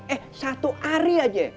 eh satu hari aja